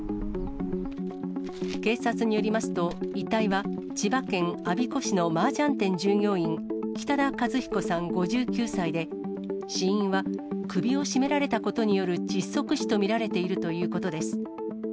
警察によりますと、遺体は千葉県我孫子市のマージャン店従業員、北田和彦さん５９歳で、死因は首を絞められたことによる窒息死と見られているということです。